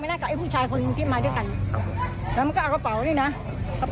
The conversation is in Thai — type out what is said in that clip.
เป็นผู้ชายสองคนใช่ไหมผู้ชายสองคน